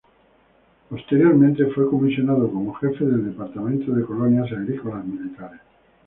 Posteriormente fue comisionado como Jefe del Departamento de Colonias Agrícolas Militares.